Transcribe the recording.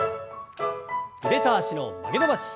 腕と脚の曲げ伸ばし。